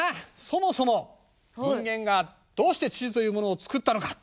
そもそも人間がどうして地図というものを作ったのか。